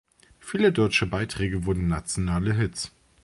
Viele deutsche Beiträge wurden nationale Hits.